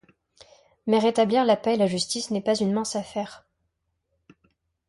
Mais rétablir la paix et la justice n'est pas une mince affaire...